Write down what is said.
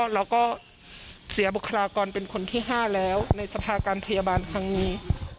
เราก็เสียบุคลากรเป็นคนที่๕แล้วในสภาการพยาบาลครั้งนี้